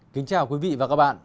kính chào quý vị và các bạn